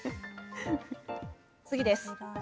次です。